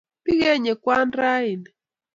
bigeenye kwaan raini